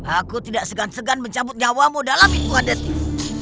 aku tidak segan segan mencabut nyawamu dalam hitungan detik